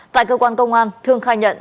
tại cơ quan công an thương khai nhận